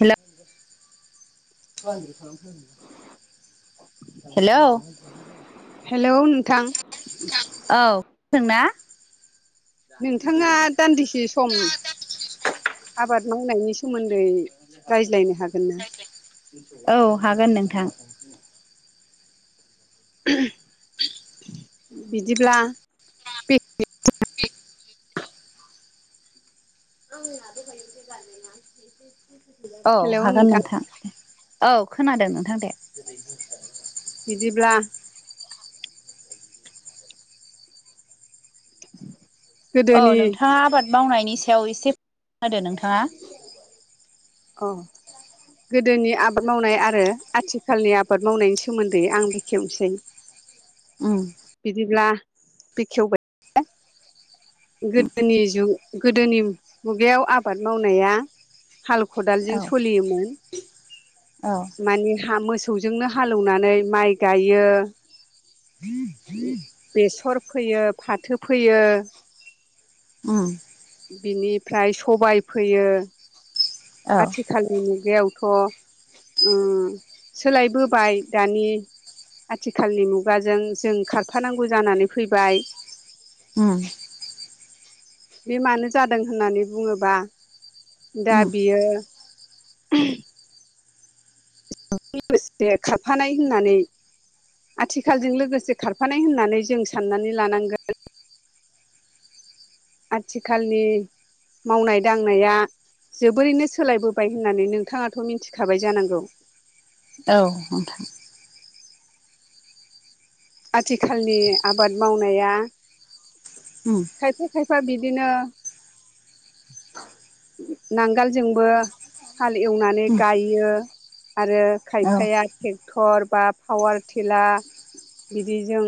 हेल हेल' हेलौ नोंथां। औ ना नोंथाङा दान्दिसे सम आबाद मावनायनि सम सोमोन्दै रायज्लायनो हागोन ना? औ हागोन नोंथां। बिदिब्ला बे औ हेलौ हागोन नोंथां नोंथाङ द। औ खोनादों नोंथां दे। ज [inaudible] बिदिब्ला औ गोदोनि नोंथाङा आबाद मावनायनि सायाव एसे होदो नोंथाङा औ गोदोनि आबाद मावनाय आरो आथिखालनि आबाद मावनायनि सोमोन्दै आं बेखेवनोसै [inaudible] उ बिदिब्ला बेखेवबाय उम गोदोनि जग गोदोनि मुगायाव आबाद मावनाया हाल खदालजों औ सलियोमोन। औ माने ह मोसौजोंनो हालौवनानै माइ गायो। हम बेसर फोयो फाथो फोयो। उम बिनिफ्राय सबाय फैयो आथिखाल औ आथिखालनि मुगायावथ' सोलायबोबाय दानि आथिखालनि मुगाजों जों खारफानांगौ जानानै फैबाय उम। बे मानो जादों होननानै बुङोबा दा उम बियो। [unintelligible] लोगोसे खारफानाय होननानै आथिखालजों लोगोसे खारफानाय होननानै जों साननानै लानांगोन। आथिखालनि मावनाय दांनाया जोबोरैनो सोलायबोबाय होननानै नोंथाङाथ' मिथिखाबाय जानांगौ। औ नोंथां आथिखालनि आबाद मावनाया उम खायफा खायफा बिदिनो नांगोलजोंबो हाल एवनानै उम गायो। आरो औ खायफाया ट्रेक्टर बा पावार टिला बिदिजों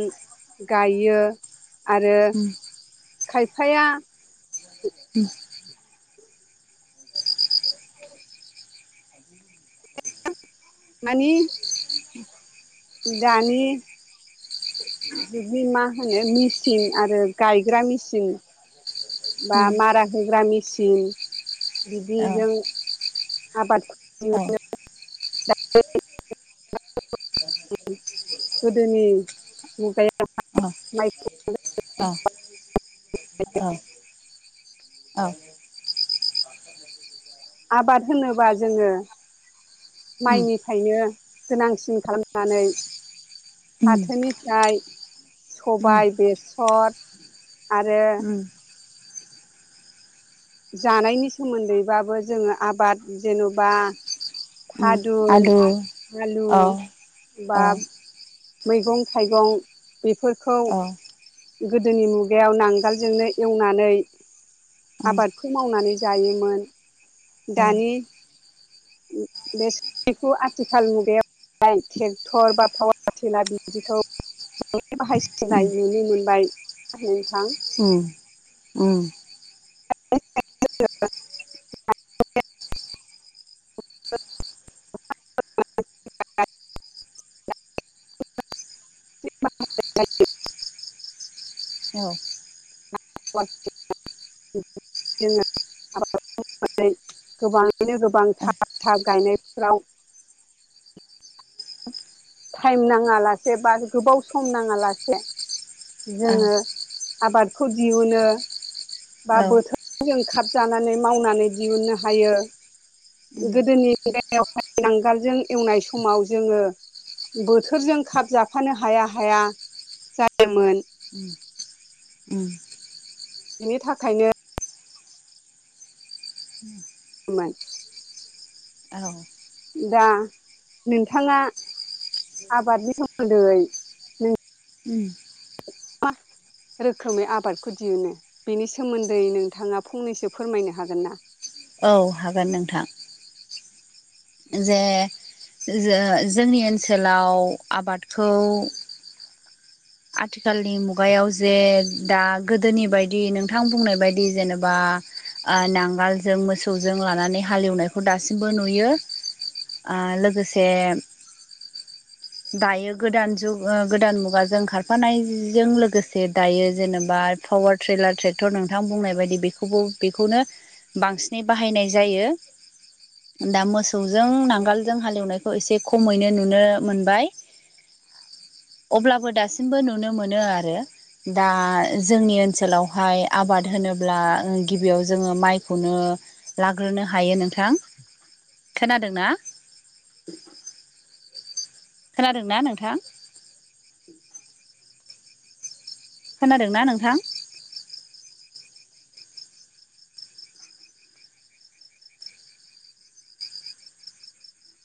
गायो आरो उम खायफाया ओम मानि दानि जुगनि मा होनो मेचिन आरो गायग्रा मेचिन बा उम मारा होग्रा मेसिन औ बिदिजों आबाद औ [unintelligible] गोदोनि मुगायाव माइ [unintelligible] औ औ आबाद होनोबा जोङो उम माइनिफ्रायनो गोनांसिन खालामनानै उम फाथोनिफ्राय उम सबाय बेसर आरो उम जानायनि सोमोन्दैबाबो जोङो आबाद जेन'बा उम आलु औ फादुन आलु बा औ मैगं थाइगं बेफोरखौ औ गोदोनि मुगायाव नांगोलजोंनो एवनानै उम आबाद खौ मावनानै जायोमोन। दानि बे सखौ आथिखाल मुगायाव ट्रेक्टर बा पावार लाार बिदिखौ बाय बाहायसि जाय नुनो मोनबाय नोंथां [inaudible] ओं [unintelligible] [unintelligible] [unintelligible] औ [unintelligible] मै गोबाङैनो गोबां औ थाब थाब गायनायफ्राव [unintelligible] टाइम नाङा लासे बा गोबाव सम नाङा लासे औ जोङो आबादखौ दिहुनो बा औ बोथोर जों खाबजानानै मावनानै दिहुननो हायो उम गोदोनि [unintelligible] यावहाय नांगोलजों एवनाय समाव जोङो बोथोरजों खाब जाफानो हाया हाया जायोमोन। उम [inaudible] बिनि थाखायनो मान औ दा नोंथाङा आबादनि सोमोन्दै नों उम [unintelligible] रोखोमै आबादखौ दिहुनो बेनि सोमोन्दै नोंथाङा फंनैसो फोरमायनो हागोन ना? औ हागोन नोंथां जे ज जोंनि ओनसोलाव आबादखौ आथिखालनि मुगायाव जे दा गोदोनि बायदि नोंथां बुंनाय बायदि जेनेबा नांगालजों मोसौजों लानानै हालेवनायखौ दासिमबो नुयो। ओ लोगोसे दायो गोदान जुग गोदान मुगाजों ओंखार थफानायजों लोगोसे दायो जेनेबा पावार ट्रैलार ट्रेक्टर नोंथां बुंनाय बायदि बेखौ खौबो बेखौनो बांसिनै बाहायनाय जायो। दा मोसौजों नांगोलजों हालेवनायखौ एसे खमैनो नुनो मोनबाय। ज अब्लाबो दासिमबो नुनो मोनो आरो। दा जोंनि ओनसोलावहाय आबाद होनोब्ला गिबियाव जोङो माइखौनो लाग्रोनो हायो नोंथां। खोनादों ना? खोनादों ना नोंथां? खोनादों ना नोंथां?